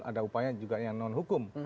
ada upaya juga yang non hukum